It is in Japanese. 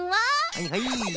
はいはい。